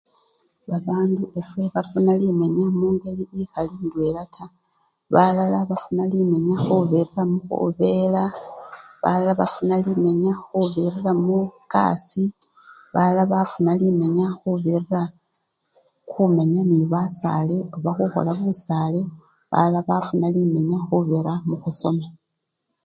Babandu efwe bafuna limenya mungeli ekhali indwela taa barara bafuna limenya khubirir mubufera, balala bafuna limenya khubirira mukasii, balala bafuna limenya khubirira mukhumenya nebasale oba khukholabusale, balala bafuna limenya khubirira mukhusoma.